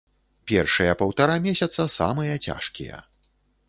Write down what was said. Першыя паўтара месяца самыя цяжкія.